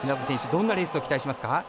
どんなレースを期待しますか？